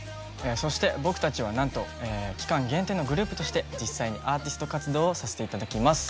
そして僕達は何と期間限定のグループとして実際にアーティスト活動をさせていただきます